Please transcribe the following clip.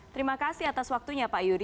terima kasih atas waktunya pak yudi